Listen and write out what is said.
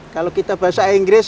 kalau kita bahasa inggris